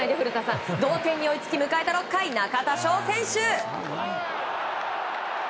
同点に追いつき、迎えた６回中田翔選手。